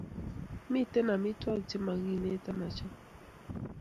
mito amitwigik che makinetan achop